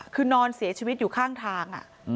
คือนอนเสียชีวิตอยู่ข้างทาง